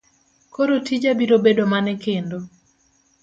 Koro tija biro bedo mane kendo?